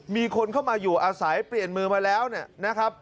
มีคนเข้ามาอยู่อาศัยเปลี่ยนมือมาแล้วเนี่ยนะครับ